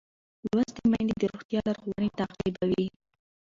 لوستې میندې د روغتیا لارښوونې تعقیبوي.